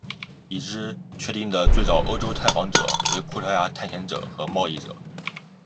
已知确定的最早欧洲探访者为葡萄牙探险者和贸易者。